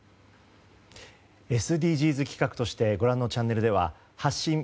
ＳＤＧｓ企画としてご覧のチャンネルでは「発進！